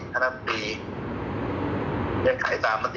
ต่ามติฯภาพปี